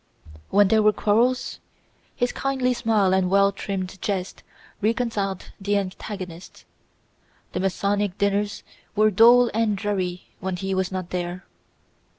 When there were quarrels, his kindly smile and well timed jests reconciled the antagonists. The Masonic dinners were dull and dreary when he was not there.